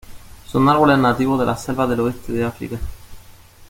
Son árboles nativos de las selvas del oeste de África.